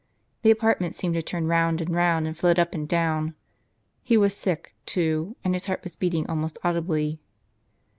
The apartment seemed to turn round and round, and float up and down; he was sick too, and his heart was beating almost audibly.